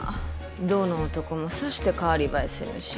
どの男もさして代わり映えせぬし。